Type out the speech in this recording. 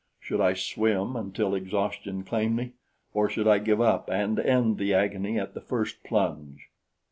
Should I swim until exhaustion claimed me, or should I give up and end the agony at the first plunge?